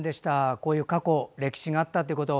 こういう過去歴史があったということ